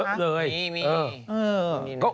เยอะเลยเออ